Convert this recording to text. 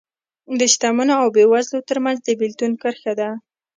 د شتمنو او بېوزلو ترمنځ د بېلتون کرښه ده